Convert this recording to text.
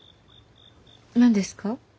何ですか？